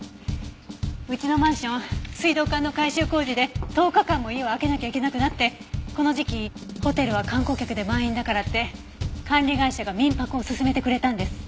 うちのマンション水道管の改修工事で１０日間も家を空けなきゃいけなくなってこの時期ホテルは観光客で満員だからって管理会社が民泊を勧めてくれたんです。